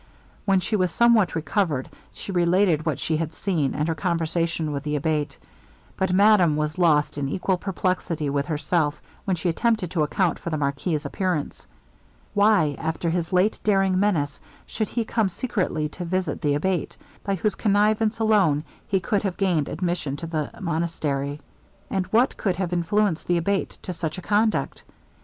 When she was somewhat recovered, she related what she had seen, and her conversation with the Abate. But madame was lost in equal perplexity with herself, when she attempted to account for the marquis's appearance. Why, after his late daring menace, should he come secretly to visit the Abate, by whose connivance alone he could have gained admission to the monastery? And what could have influenced the Abate to such a conduct?